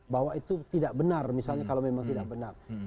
bahwa itu tidak benar misalnya kalau memang tidak benar